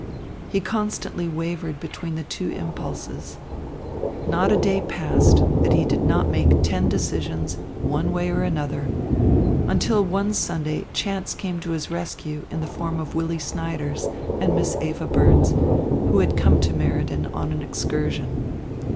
He constantly wavered between the two impulses. Not a day passed that he did not make ten decisions, one way or another, until one Sunday chance came to his rescue in the form of Willy Snyders and Miss Eva Burns, who had come to Meriden on an excursion.